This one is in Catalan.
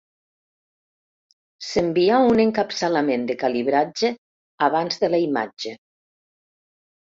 S'envia un encapçalament de calibratge abans de la imatge.